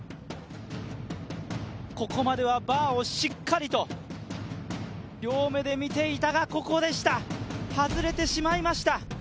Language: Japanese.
ここまではバーをしっかりと両目で見ていたが、ここでした、外れてしまいました。